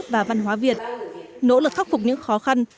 và văn hóa việt nỗ lực khắc phục những khó khăn